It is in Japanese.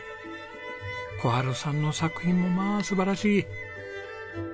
小春さんの作品もまあ素晴らしい！